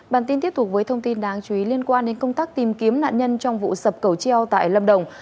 bản tin tiếp tục với thông tin đáng chú ý liên quan đến công tác tìm kiếm nạn nhân trong vụ sập cầu treo tại lâm đồng